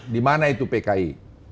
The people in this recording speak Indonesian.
di mana itu pki